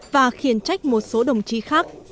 và khiển trách một số đồng chí khác